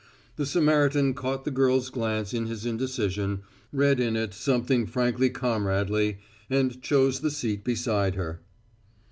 The Samaritan caught the girl's glance in his indecision, read in it something frankly comradely, and chose the seat beside her.